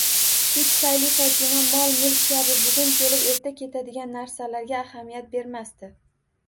Shu tufayli Fotima mol-mulk kabi bugun kelib, erta ketadigan narsalarga ahamiyat bermasdi.